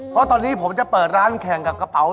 เพราะตอนนี้ผมจะเปิดร้านแข่งกับกระเป๋า